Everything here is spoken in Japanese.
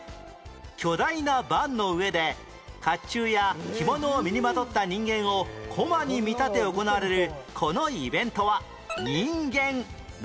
巨大な盤の上で甲冑や着物を身にまとった人間を駒に見立て行われるこのイベントは人間何？